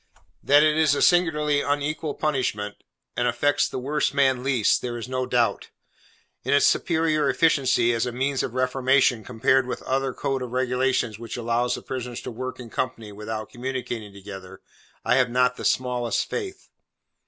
That it is a singularly unequal punishment, and affects the worst man least, there is no doubt. In its superior efficiency as a means of reformation, compared with that other code of regulations which allows the prisoners to work in company without communicating together, I have not the smallest faith.